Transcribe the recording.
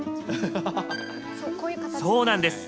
そうなんです。